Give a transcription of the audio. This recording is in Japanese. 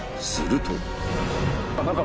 すると。